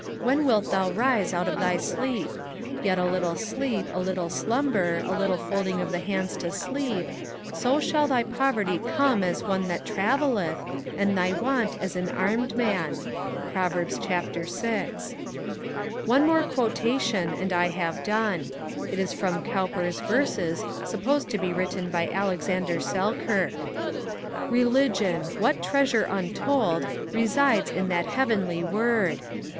when wilt thou arise out of thy sleep? Yet a little sleep, a little slumber, a little folding of the hands to sleep. So shall thy poverty come as one that travelleth, and thy want as an armed man' Proverbs, ch. vi. One more quotation, and I have done. It is from Cowper's Verses supposed to be written by Alexander Selkirk: Religion! what treasure untold Resides in that heavenly word!